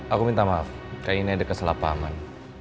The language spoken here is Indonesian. aku minta maaf kayaknya ini ada kesalahpahaman